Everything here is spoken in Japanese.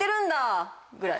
ぐらい。